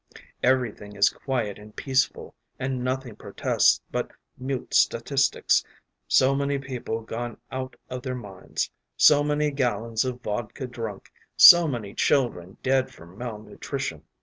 Everything is quiet and peaceful, and nothing protests but mute statistics: so many people gone out of their minds, so many gallons of vodka drunk, so many children dead from malnutrition....